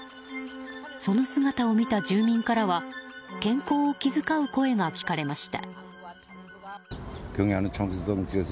その姿を見た住民からは健康を気遣う声が聞かれました。